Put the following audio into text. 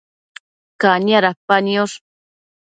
Cania dapa niosh